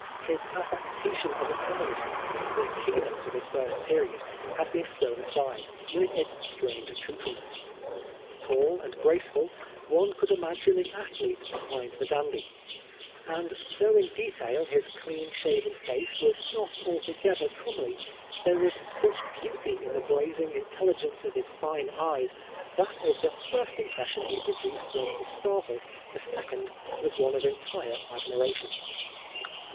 His affectation of effeminacy, the keynote of his first period, had been thrown aside, with its strange accoutrements. Tall and graceful, one could imagine the athlete behind the 21 Oscar Wilde dandy ; and though in detail his clean shaven face was not altogether comely, there was such beauty in the blazing intelligence of his fine eyes that if the first impression he pro duced was to startle, the second was one of entire admiration.